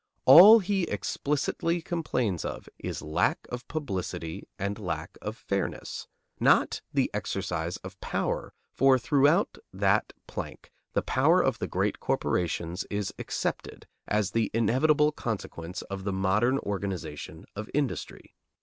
All he explicitly complains of is lack of publicity and lack of fairness; not the exercise of power, for throughout that plank the power of the great corporations is accepted as the inevitable consequence of the modern organization of industry.